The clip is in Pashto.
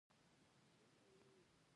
افغانستان له واوره ډک دی.